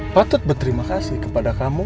patut berterima kasih kepada kamu